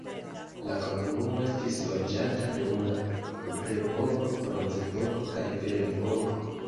La komunumo estis loĝata dum la kuprepoko, bronzepoko, kaj ferepoko.